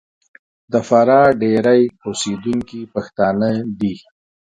د فراه ډېری اوسېدونکي پښتانه دي.